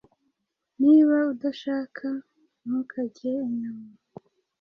Niba udashaka, ntukarye inyama.